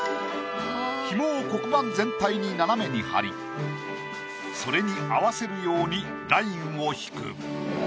ひもを黒板全体に斜めに貼りそれに合わせるようにラインを引く。